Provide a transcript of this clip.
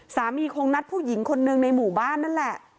คงนัดผู้หญิงคนหนึ่งในหมู่บ้านนั่นแหละ